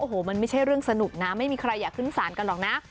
โอ้โหมันไม่ใช่เรื่องสนุกนะไม่มีใครอยากขึ้นสารกันหรอกนะ